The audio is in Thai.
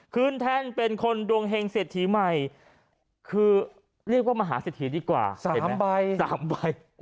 คืนแทนเป็นคนดวงเฮงเศรษฐีใหม่คือเรียกว่ามหาเศรษฐีดีกว่าเห็นไหมสามใบสามใบ